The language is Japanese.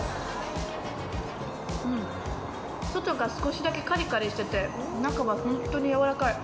外が少しだけカリカリしてて、中は本当にやわらかい。